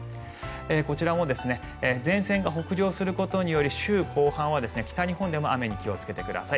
こちらも前線が北上することにより週後半は北日本でも雨に気をつけてください。